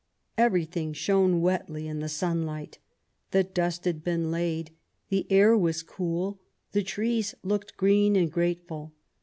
Everything shone wetly in the sunlight: the dust had been laid; the air was cool; the trees looked green and grateful.